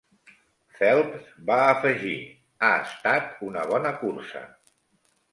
Phelps va afegir: Ha estat una bona cursa.